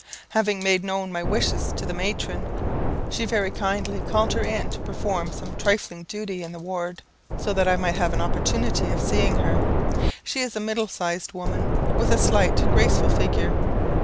Having made known my wishes to the matron, she very kindly called her in to perform some trifling duty in the ward, so that I might have an opportunity of seeing her. She is a middle sized woman, with a slight graceful figure.